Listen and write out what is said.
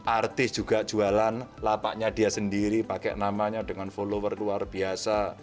artis juga jualan lapaknya dia sendiri pakai namanya dengan follower luar biasa